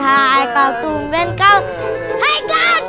hai kak tumpen kak